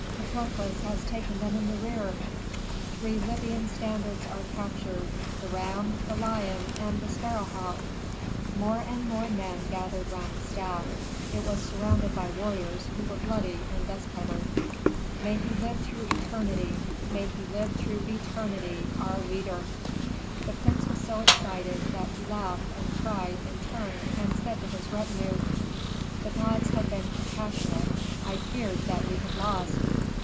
"Patrokles has taken them in the rear!" "Three Libyan standards are captured: the ram, the lion, and the sparrow hawk!" More and more men gathered round the staff: it was surrounded by warriors who were bloody and dust covered. "May he live through eternity! May he live through eternity, our leader!" The prince was so excited, that he laughed and cried in turn and said to his retinue, "The gods have been compassionate. I feared that we had lost.